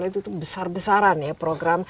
itu besar besaran ya